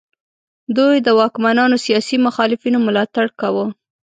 دوی د واکمنانو سیاسي مخالفینو ملاتړ کاوه.